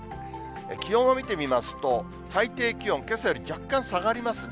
気温を見てみますと、最低気温、けさより若干下がりますね。